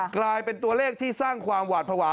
กลายเป็นตัวเลขที่สร้างความหวาดภาวะ